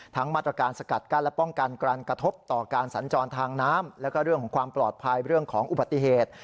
มาตรการสกัดกั้นและป้องกันการกระทบต่อการสัญจรทางน้ำแล้วก็เรื่องของความปลอดภัยเรื่องของอุบัติเหตุ